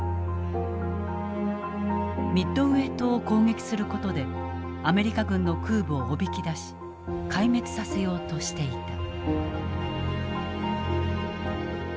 ミッドウェー島を攻撃することでアメリカ軍の空母をおびきだし壊滅させようとしていた。